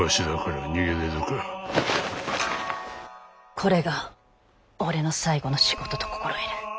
これが俺の最後の仕事と心得る。